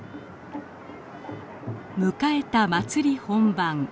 迎えた祭り本番。